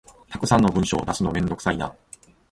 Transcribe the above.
たくさんの文書出すのめんどくさいな